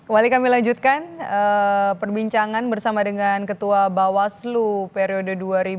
wali kami lanjutkan perbincangan bersama dengan ketua bawaslu periode dua ribu tujuh belas dua ribu dua puluh dua